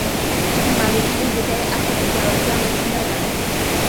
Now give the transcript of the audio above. ټیکنالوژي د دې عقل د پیاوړتیا وسیله ده.